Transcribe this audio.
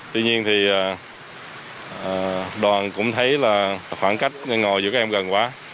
tuy nhiên đoàn cũng thấy khoảng cách ngồi giữa các em gần quá